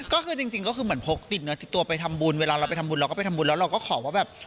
ก็คือจริงก็คือเหมือนพกติดเนื้อติดตัวไปทำบุญเวลาเราไปทำบุญเราก็ไปทำบุญแล้วเราก็ขอว่าแบบ